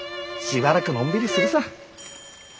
しばらくのんびりするさ。